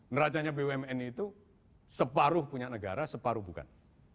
neracanya bumn itu separuh punya negara separuh bukan